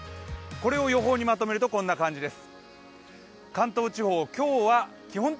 これを予報にまとめると、こんな感じです。